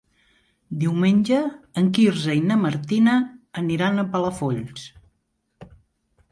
Diumenge en Quirze i na Martina aniran a Palafolls.